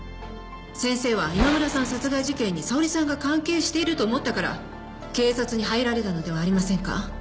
先生は今村さん殺害事件に沙織さんが関係していると思ったから警察に入られたのではありませんか？